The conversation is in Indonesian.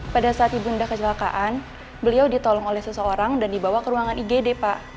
pada saat ibunda kecelakaan beliau ditolong oleh seseorang dan dibawa ke ruangan igd pak